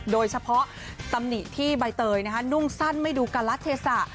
โดยเฉพาะตำหนิที่ใบเตยนะคะนุ่งสั้นไม่ดูกลัลลัดเทศะ